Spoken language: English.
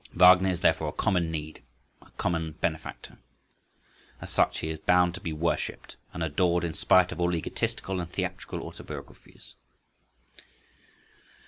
Wagner is therefore a common need, a common benefactor. As such he is bound to be worshipped and adored in spite of all egotistical and theatrical autobiographies.